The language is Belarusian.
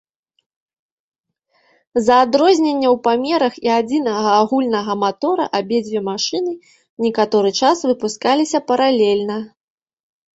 З-за адрознення ў памерах і адзінага агульнага матора абедзве машыны некаторы час выпускаліся паралельна.